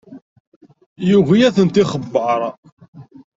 Yugi ad ten-ixebber.